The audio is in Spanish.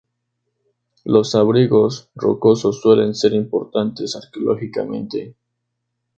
Los abrigos rocosos suelen ser importantes arqueológicamente.